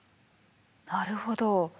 なるほど。